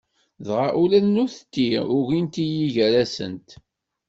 Dɣa ula d nutenti ugint-iyi gar-asent.